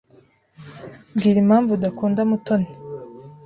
Mbwira impamvu udakunda Mutoni.